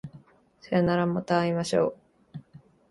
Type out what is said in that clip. さようならまた会いましょう